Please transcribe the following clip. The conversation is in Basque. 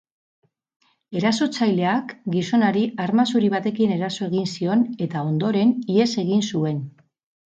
Erasotzaileak gizonari arma zuri batekin eraso egin zion eta ondoren ihes egin zuen.